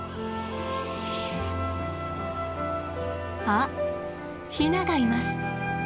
あっヒナがいます！